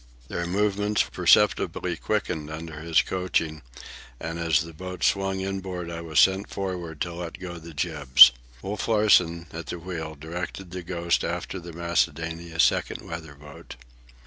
Their movements perceptibly quickened under his coaching, and as the boat swung inboard I was sent forward to let go the jibs. Wolf Larsen, at the wheel, directed the Ghost after the Macedonia's second weather boat.